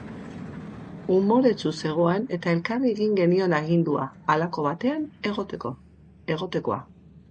Umoretsu zegoen eta elkarri egin genion agindua, halako batean egotekoa.